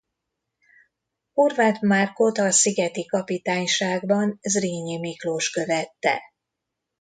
Horváth Márkot a szigeti kapitányságban Zrínyi Miklós követte.